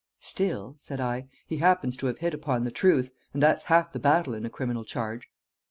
"Still," said I, "he happens to have hit upon the truth, and that's half the battle in a criminal charge."